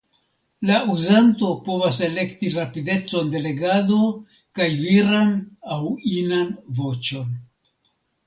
La uzanto povas elekti rapidecon de legado kaj viran aŭ inan voĉon.